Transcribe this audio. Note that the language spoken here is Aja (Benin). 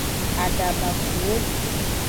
Adabafuwo.